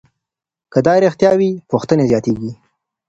که دا رښتیا وي، پوښتنې زیاتېږي.